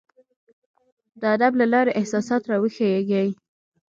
د ادب له لاري احساسات راویښیږي.